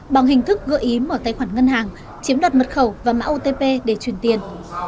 bằng hình thức gợi ý mở tài khoản ngân hàng chiếm đoạt mật khẩu và mã otp để truyền tiền